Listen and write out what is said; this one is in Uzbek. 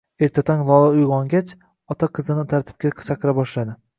Erta tong Lola uyg`ongach ota qizini tartibga chaqira boshladi